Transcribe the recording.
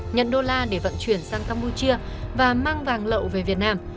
nhận đô la để vận chuyển sang campuchia và mang vàng lậu về việt nam